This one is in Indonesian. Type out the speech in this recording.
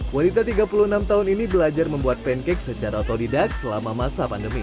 wanita tiga puluh enam tahun ini belajar membuat pancake secara otodidak selama masa pandemi